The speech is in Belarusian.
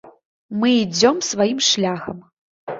Мы ідзём сваім шляхам.